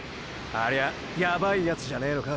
ありゃあヤバイやつじゃねぇのか。